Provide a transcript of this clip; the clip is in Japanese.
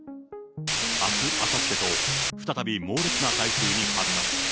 あす、あさってと再び猛烈な台風に発達。